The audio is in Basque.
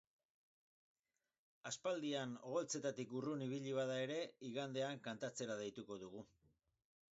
Aspaldian oholtzetatik urrun ibili bada ere, igandean kantatzera deituko dugu.